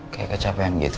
kayak kecapean gitu